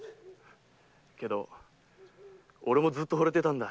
けど俺もずっと惚れてたんだ。